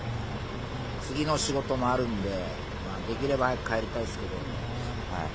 次の仕事もあるんで、できれば早く帰りたいですけど。